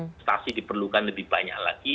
investasi diperlukan lebih banyak lagi